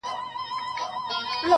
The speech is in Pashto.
ګډ تخنیکونه او لیدلوري لري